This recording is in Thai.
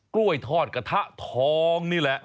กล้วยทอดกระทะทองนี่แหละ